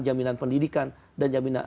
jaminan pendidikan dan jaminan